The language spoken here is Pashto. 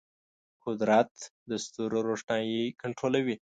قدرت د ستورو روښنايي کنټرولوي.